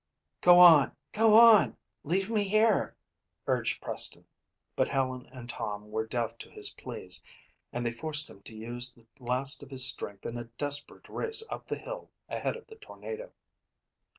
"Go on, go on! Leave me here!" urged Preston. But Helen and Tom were deaf to his pleas and they forced him to use the last of his strength in a desperate race up the hill ahead of the tornado.